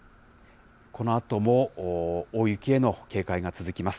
このあとも大雪への警戒が続きます。